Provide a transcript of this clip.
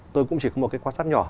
tôi cũng chỉ có một cái quan sát nhỏ